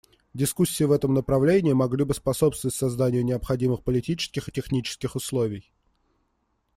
Дискуссии в этом направлении могли бы способствовать созданию необходимых политических и технических условий.